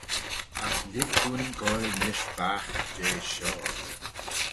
Agh lhig dooin goaill nish baght jeh shoh.